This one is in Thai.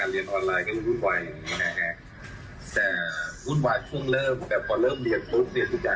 แม่ก็จะปวดหัวมากเพราะว่าแม่ต้องตื่นแต่เช้ามาเตรียมเอาลูกเขา